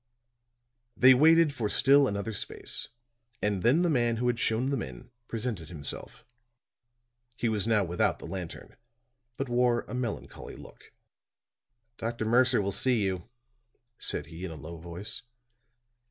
They waited for still another space, and then the man who had shown them in presented himself. He was now without the lantern, but wore a melancholy look. "Dr. Mercer will see you," said he in a low voice.